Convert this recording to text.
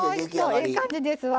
ええ感じですわ。